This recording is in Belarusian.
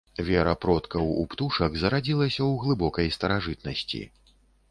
Вера продкаў у птушак зарадзілася ў глыбокай старажытнасці.